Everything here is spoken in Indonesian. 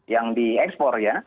yang diekspor ya